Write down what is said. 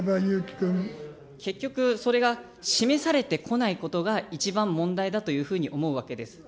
結局、それが示されてこないことが、一番問題だというふうに思うわけです。